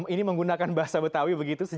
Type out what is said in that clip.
ini menggunakan bahasa betawi begitu